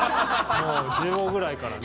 もう１５くらいからね。